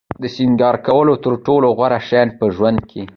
د سینگار کولو تر ټولو غوره شیان په ژوند کې.